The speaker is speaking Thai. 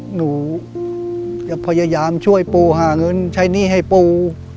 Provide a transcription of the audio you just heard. หนูจะพยายามช่วยปูหาเงินใช้หนี้ให้ปู